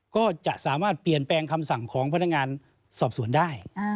ก็จะสามารถเปลี่ยนแปลงคำสั่งของพนักงานสอบสวนได้